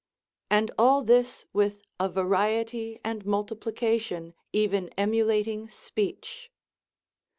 And all this with a variety and multiplication, even emulating speech.